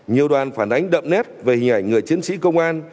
nhiều đoàn phản ánh đậm nét về hình ảnh người chiến sĩ công an